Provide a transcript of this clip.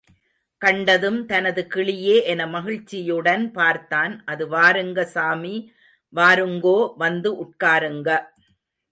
கண்டதும் தனது கிளியே என மகிழ்ச்சியுடன் பார்த்தான். அது வாருங்க சாமி, வாருங்கோ, வந்து உட்காருங்க.